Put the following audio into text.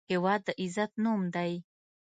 هېواد د عزت نوم دی.